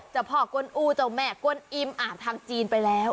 เจ้าพ่อกวนอูเจ้าแม่กวนอิมอ่านทางจีนไปแล้ว